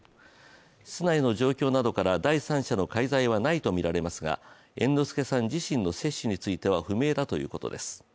室内の状況などから、第三者の介在はないとみられますが、猿之助さん自身の摂取については不明だということです。